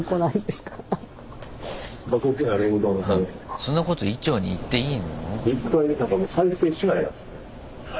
そんなこと医長に言っていいの？